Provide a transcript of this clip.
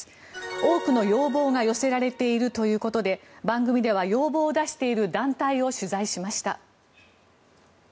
多くの要望が寄せられているということで番組では要望を出している団体を取材しました。